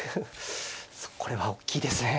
これはおっきいですね。